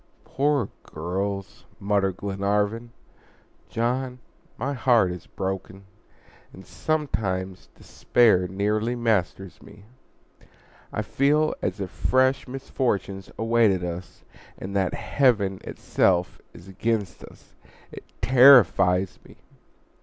"Poor girls!" murmured Glenarvan. "John, my heart is broken; and sometimes despair nearly masters me. I feel as if fresh misfortunes awaited us, and that Heaven itself is against us. It terrifies me!"